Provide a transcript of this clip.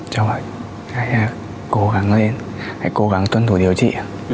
cháu nói hãy cố gắng lên hãy cố gắng tuân thủ điều trị